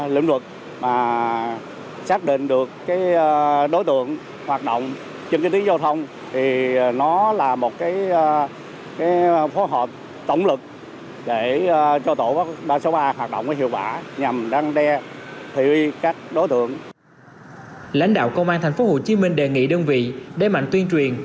lãnh đạo công an thành phố hồ chí minh đề nghị đơn vị đề mạnh tuyên truyền